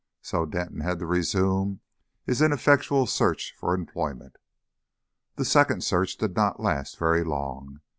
So Denton had to resume his ineffectual search for employment. This second search did not last very long.